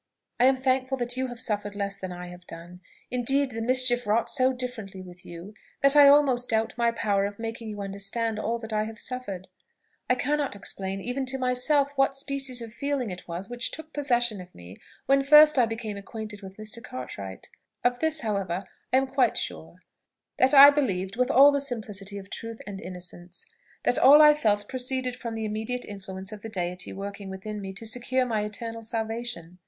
I am thankful that you have suffered less than I have done; indeed the mischief wrought so differently with you, that I almost doubt my power of making you understand all I have suffered. I cannot explain even to myself what species of feeling it was which took possession of me when first I became acquainted with Mr. Cartwright. Of this, however, I am quite sure, that I believed with all the simplicity of truth and innocence, that all I felt proceeded from the immediate influence of the Deity working within me to secure my eternal salvation.